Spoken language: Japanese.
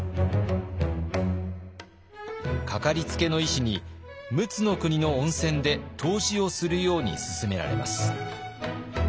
掛かりつけの医師に陸奥国の温泉で湯治をするようにすすめられます。